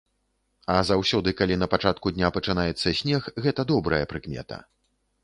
А заўсёды калі на пачатку дня пачынаецца снег, гэта добрая прыкмета.